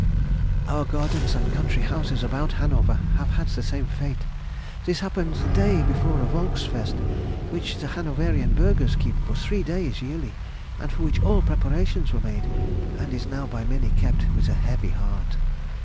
Our gardens and country houses about Hanover have had the same fate. This happened the day before a Volks Fest, which the Hanoverian Bürgers keep for three days yearly, and for which all preparations were made, and is now by many kept with a heavy heart.